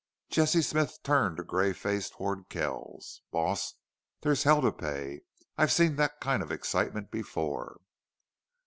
Jesse Smith turned a gray face toward Kells. "Boss, there's hell to pay! I've seen THET kind of excitement before."